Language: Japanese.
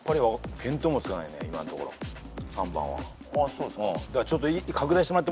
そうですか？